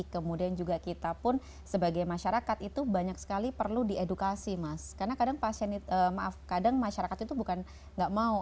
kemudian juga kita pun sebagai masyarakat itu banyak sekali perlu diedukasi mas karena kadang masyarakat itu bukan tidak mau